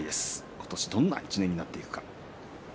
今年はどんな１年になっていくか。